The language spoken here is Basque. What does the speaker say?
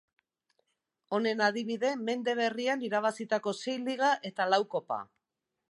Honen adibide mende berrian irabazitako sei Liga eta lau Kopa.